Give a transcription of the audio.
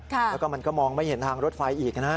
แล้วก็มันก็มองไม่เห็นทางรถไฟอีกนะ